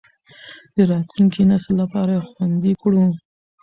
د راتلونکي نسل لپاره یې خوندي کړو.